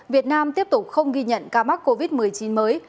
việt nam tiếp tục không ghi nhận ca mắc covid một mươi chín mới